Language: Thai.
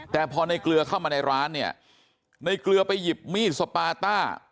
แต่พอในเกลือเข้ามาในร้านเนี่ยในเกลือไปหยิบมีดสปาต้า